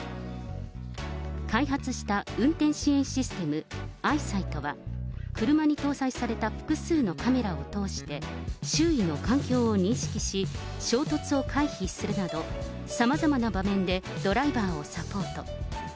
開発した運転支援システム、アイサイトは、車に搭載された複数のカメラを通して、周囲の環境を認識し、衝突を回避するなど、さまざまな場面でドライバーをサポート。